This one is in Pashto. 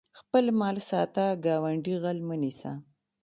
خپل مال ساته ګاونډي غل مه نیسه